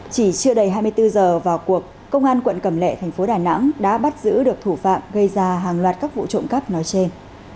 chỉ chưa đầy hai mươi bốn giờ vào cuộc công an quận cầm lệ thành phố đà nẵng đã bắt giữ được thủ phạm gây ra hàng loạt các vụ trộm cắp nói trên